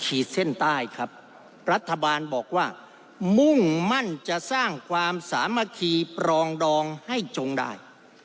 ขีดเส้นใต้ครับรัฐบาลบอกว่ามุ่งมั่นจะสร้างความสามัคคีปรองดองให้จงได้